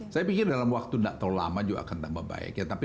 saya pikir dalam waktu enggak terlalu lama juga akan tambah baik ya tapi